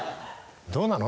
どうなの？